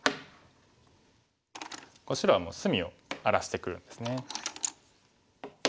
白はもう隅を荒らしてくるんですね。